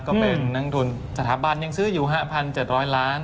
ก็เป็นนักทุนสถาบันยังซื้ออยู่๕๗๐๐ล้าน